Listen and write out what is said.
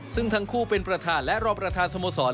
ซึ่งทั้งคู่เป็นประธานและรองประธานสโมสร